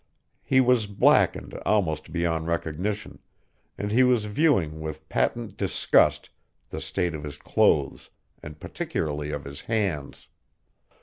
He was blackened almost beyond recognition, and he was viewing with patent disgust the state of his clothes and particularly of his hands.